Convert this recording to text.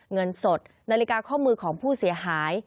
เงินสดนาฬิกาข้อมือของผู้เสียหาย